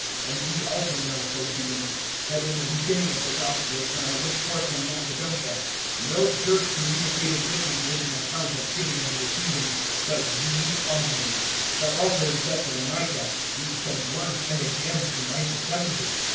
(15)And ye also know, Philippians, that in the beginning of the gospel, when I went forth from Macedonia, no church communicated with me in an account of giving and receiving[4:15], but ye only; (16)that also in Thessalonica, ye sent once and again to my necessity.